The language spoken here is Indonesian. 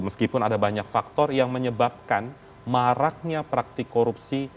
meskipun ada banyak faktor yang menyebabkan maraknya praktik korupsi